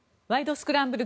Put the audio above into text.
スクランブル」